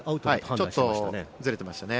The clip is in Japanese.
ちょっとずれてましたね。